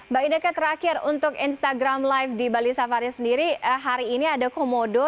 mbak ineke terakhir untuk instagram live di bali safari sendiri hari ini ada komodo